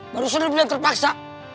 barusan lu bilang terpaksa